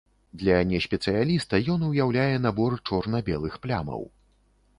Для неспецыяліста ён уяўляе набор чорна-белых плямаў.